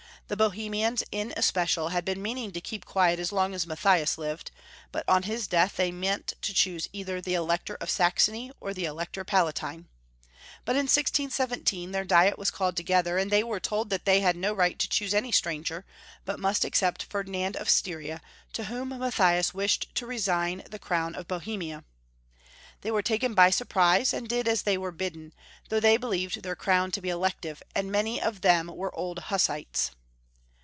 The Bohemians in especial had been meaning to keep quiet as long as Mattliias lived, but on liis death they meant to choose either the Elector of Saxony or the Elector Palatine. But in 1617 their diet was called together, and they were told that they had no right to choose any stranger, but must accept Ferdinand of Styria, to whom Matthias wished to resign the crown of Bo hemia. They were taken by surprise, and did as they were bidden, though they believed their crown to be elective, and many of them were old Huss ites.